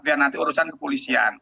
biar nanti urusan kepolisian